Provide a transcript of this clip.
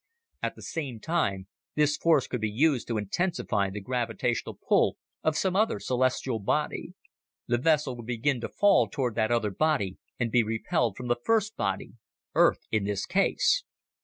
At the same time, this force could be used to intensify the gravitational pull of some other celestial body. The vessel would begin to fall toward that other body, and be repelled from the first body Earth in this case.